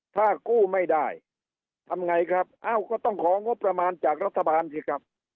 ถ้ากู้ไม่ได้ทำไงครับเอ้าก็ต้องของงบประมาณจากรัฐบาลสิครับ